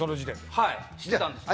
はい知ってたんですけど。